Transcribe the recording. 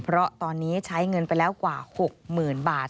เพราะตอนนี้ใช้เงินไปแล้วกว่า๖๐๐๐บาท